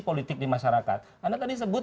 politik di masyarakat anda tadi sebut